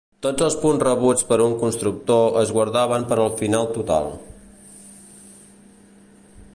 Tots els punts rebuts per un constructor es guardaven per al final total.